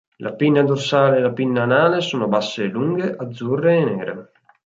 La pinna dorsale e la pinna anale sono basse e lunghe, azzurre e nere.